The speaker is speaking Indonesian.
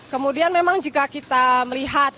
kemudian memang jika kita melihat